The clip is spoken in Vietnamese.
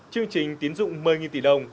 chương trình tín dụng một mươi tỷ đồng